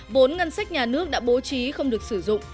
vốn ngân sách nhà nước đã bố trí không được sử dụng